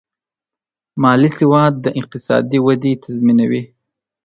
مالي سواد د اقتصادي ودې تضمینوي.